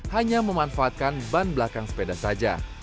hanya memanfaatkan ban belakang sepeda saja